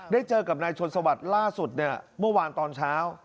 เจอกับนายชนสวัสดิ์ล่าสุดเนี่ยเมื่อวานตอนเช้า